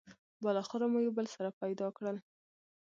بالاخره مو یو بل سره پيدا کړل.